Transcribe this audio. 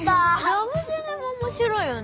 『ラブジェネ』も面白いよね。